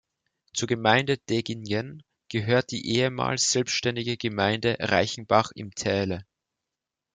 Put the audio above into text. Zur Gemeinde Deggingen gehört die ehemals selbstständige Gemeinde Reichenbach im Täle.